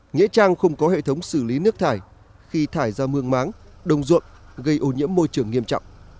nghĩa trang không có hệ thống xử lý nước thải khi thải ra mương máng đồng ruộng gây ô nhiễm môi trường nghiêm trọng